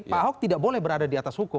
pak ahok tidak boleh berada di atas hukum